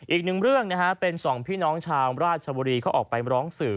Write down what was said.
อีกหนึ่งเรื่องนะฮะเป็นสองพี่น้องชาวราชบุรีเขาออกไปร้องสื่อ